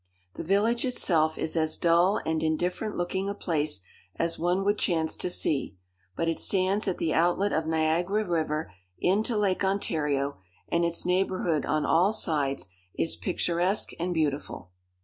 The village itself is as dull and indifferent looking a place as one would chance to see; but it stands at the outlet of Niagara river into Lake Ontario, and its neighbourhood on all sides is picturesque and beautiful.